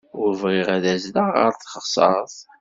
Ur bɣiɣ ad azzleɣ ɣer teɣsert.